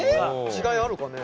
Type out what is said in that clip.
違いあるかね。